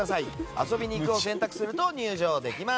遊びにいくを選択すると入場できます。